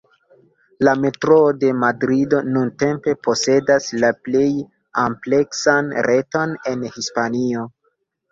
La Metroo de Madrido nuntempe posedas la plej ampleksan reton en Hispanio.